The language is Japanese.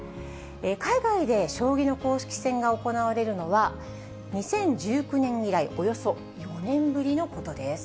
海外で将棋の公式戦が行われるのは、２０１９年以来およそ４年ぶりのことです。